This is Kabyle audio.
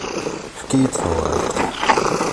Efk-iyi-d tawriqt.